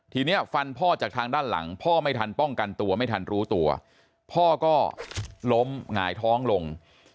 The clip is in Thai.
ทีนี้ฟันพ่อจากทางด้านหลังพ่อไม่ทันป้องกันตัวไม่ทันรู้ตัวพ่อก็ล้มหงายท้องลง